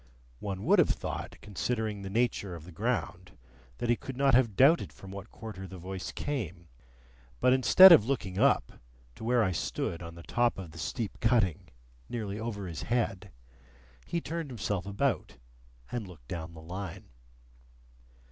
One would have thought, considering the nature of the ground, that he could not have doubted from what quarter the voice came; but instead of looking up to where I stood on the top of the steep cutting nearly over his head, he turned himself about, and looked down the Line.